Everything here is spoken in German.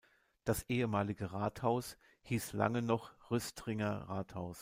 Das ehemalige Rathaus hieß lange noch "Rüstringer Rathaus".